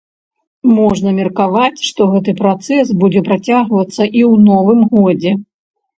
Можна меркаваць, што гэты працэс будзе працягвацца і ў новым годзе.